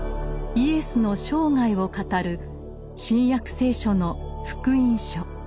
イエスの生涯を語る「新約聖書」の「福音書」。